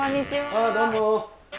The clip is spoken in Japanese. ああどうも。